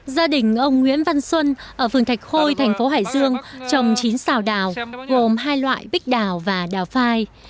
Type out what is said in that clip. gia đình ông nguyễn văn xuân ở phường thạch khôi thành phố hải dương trồng chín xào đào gồm hai loại bích đào và đào phai